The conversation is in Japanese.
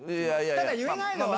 ただ言えないのは。